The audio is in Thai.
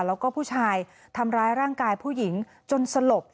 แล้วก็ผู้ชายทำร้ายร่างกายผู้หญิงจนสลบ